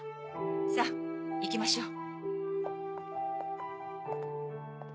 さぁ行きましょう。